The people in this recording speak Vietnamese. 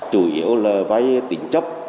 chủ yếu là vay tỉnh chấp